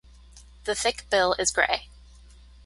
The thick bill is grey.